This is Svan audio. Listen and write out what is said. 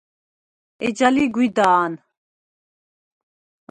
ეჯა ლი გვიდა̄ნ.